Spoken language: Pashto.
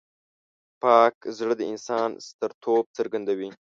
پاک زړه د انسان سترتوب څرګندوي.